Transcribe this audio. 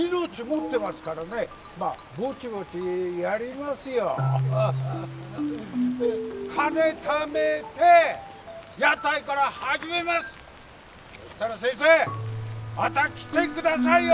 そしたら先生また来てくださいよ。